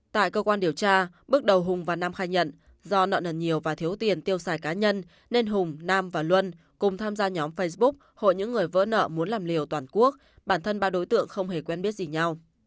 tại cơ quan điều tra bước đầu hùng và nam khai nhận do nợ nần nhiều và thiếu tiền tiêu xài cá nhân nên hùng nam và luân cùng tham gia nhóm facebook hội những người vỡ nợ muốn làm liều toàn quốc bản thân ba đối tượng không hề quen biết gì nhau